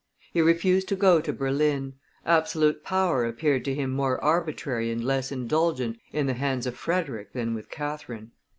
He refused to go to Berlin; absolute power appeared to him more arbitrary and less indulgent in the hands of Frederick than with Catherine.